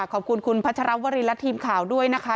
ขอบคุณคุณพัชรวรินและทีมข่าวด้วยนะคะ